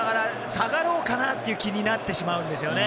下がろうかなという気になってしまうんですよね。